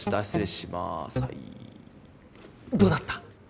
どうだった？